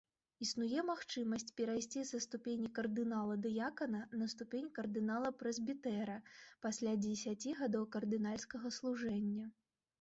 Існуе магчымасць перайсці са ступені кардынала-дыякана на ступень кардынала-прэзбітэра пасля дзесяці гадоў кардынальскага служэння.